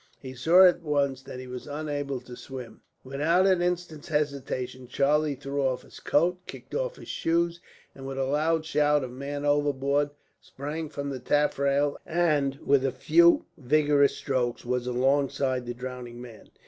He saw, at once, that he was unable to swim. Without an instant's hesitation Charlie threw off his coat, and kicked off his shoes, and with a loud shout of "Man overboard!" sprang from the taffrail and, with a few vigorous strokes, was alongside the drowning man.